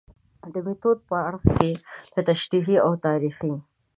د میتود په اړخ کې له تشریحي او تاریخي